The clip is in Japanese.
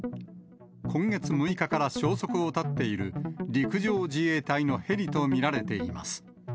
今月６日から消息を絶っている陸上自衛隊のヘリと見られています。